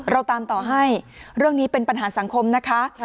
เราตามต่อให้เรื่องนี้เป็นปัญหาสังคมนะคะ